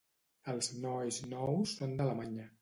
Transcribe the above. Els nois nous són d'Alemanya.